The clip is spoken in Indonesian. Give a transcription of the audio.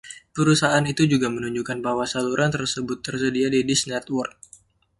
Perusahaan itu juga menunjukkan bahwa saluran tersebut tersedia di Dish Network.